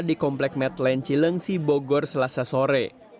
di komplek medland cilengsi bogor selasa sore